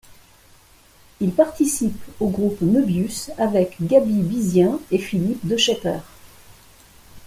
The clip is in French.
Il participe au groupe Moebius avec Gaby Bizien et Philippe Deschepper.